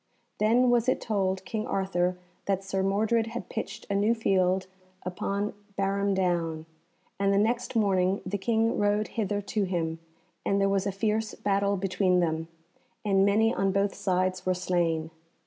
Then was it told King Arthur that Sir Mordred had pitched a new field upon Barham Down, and the next morning the King rode hither to him, and there was a fierce battle between them, and many on both sides were slain.